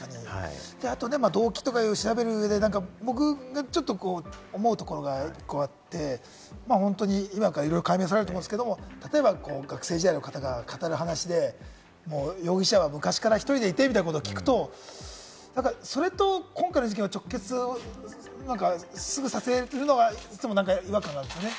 あと動機とかを調べる上で僕がちょっと思うところが１個あって、いろいろ解明されると思いますけれど、例えば学生時代の方が語る話で、容疑者は昔から１人でいてみたいな事を聞くと、それと今回の事件を直結する、すぐさせるのはいつも違和感があるんですよね。